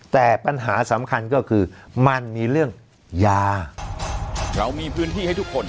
แต่ปัญหาสำคัญก็คือมันมีเรื่องยาเรามีพื้นที่ให้ทุกคน